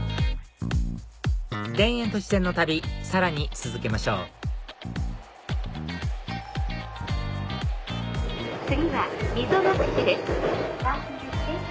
田園都市線の旅さらに続けましょう次は溝の口です。